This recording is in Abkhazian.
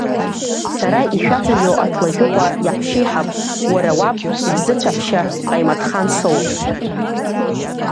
Сара ишәацәажәо Аҭлажәыҟәа иаҳәшьеиҳаб, уара уаб иабзыцәаҳәшьа Ҟаимаҭхан соуп!